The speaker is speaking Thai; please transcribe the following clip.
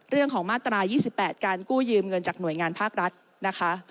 เรื่องของมาตรา๒๘การกู้ยืมเงินจากหน่วยงานภาครัฐนะคะ